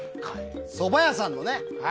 そば屋さんのね。